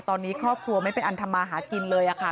ตอนนี้ครอบครัวไม่เป็นอันทำมาหากินเลยค่ะ